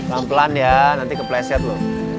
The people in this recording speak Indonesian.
pelan pelan ya nanti kepleset loh